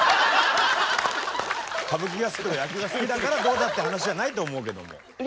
歌舞伎が好きとか野球が好きだからどうだって話じゃないと思うけども。